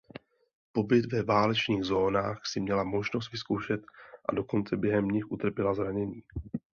Pobyt ve válečných zónách si měla možnost vyzkoušet a dokonce během nich utrpěla zranění.